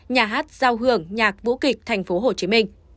nhà hát giao hưởng nhạc vũ kịch tp hcm